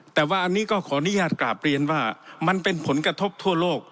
แต่ว่าอันนี้ก็ขออนุญาตกราบเรียนว่ามันเป็นผลกระทบทั่วโลก